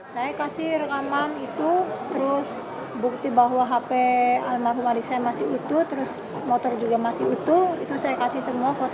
saya kasih rekaman itu terus bukti bahwa hp almarhum adik saya masih utuh terus motor juga masih utuh itu saya kasih semua foto